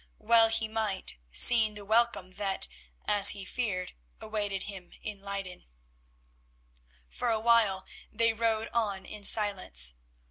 Well he might, seeing the welcome that, as he feared, awaited him in Leyden. For a while they rowed on in silence.